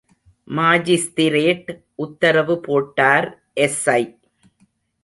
Magistrate உத்தரவு போட்டார் SI!